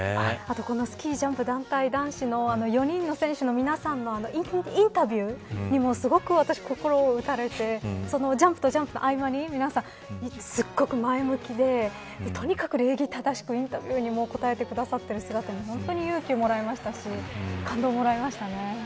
あと、このスキージャンプ団体男子の４人の選手の皆さんのインタビューにもすごく私、心を打たれてジャンプとジャンプの合間に皆さん、すっごく前向きでとにかく礼儀正しくインタビューにも答えてくださっている姿に本当に勇気をもらいましたし感動をもらいました。